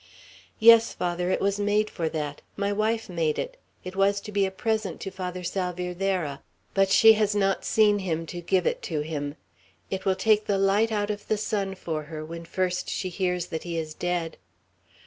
"Yes, Father, it was made for that. My wife made it. It was to be a present to Father Salvierderra; but she has not seen him, to give it to him. It will take the light out of the sun for her, when first she hears that he is dead."